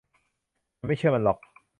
ฉันไม่เชื่อมันหรอก